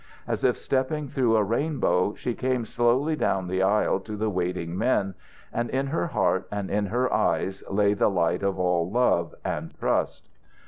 As if stepping through a rainbow, she came slowly down the aisle to the waiting men, and in her heart and in her eyes lay the light of all love and trust.